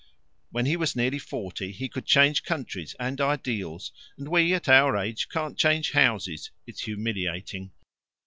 When he was nearly forty he could change countries and ideals and we, at our age, can't change houses. It's humiliating."